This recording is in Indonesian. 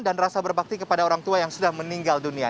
dan rasa berbakti kepada orang tua yang sudah meninggal dunia